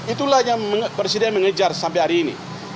itulah yang presiden mengejar sampai hari ini